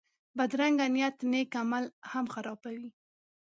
بدرنګه نیت نېک عمل هم خرابوي